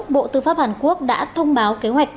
bộ tư pháp hàn quốc đã thông báo kế hoạch